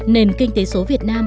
nền kinh tế số việt nam